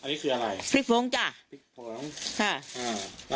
อันนี้คืออะไรพริกผงจ้ะพริกผงค่ะอ่า